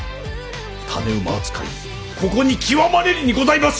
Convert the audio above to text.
種馬扱いもここに極まれりにございます！